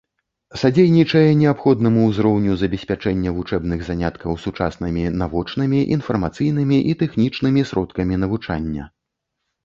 Садзейнічае неабходнаму ўзроўню забеспячэння вучэбных заняткаў сучаснымі навочнымі, інфармацыйнымі і тэхнічнымі сродкамі навучання.